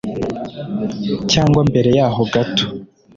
cyangwa mbere y'aho gato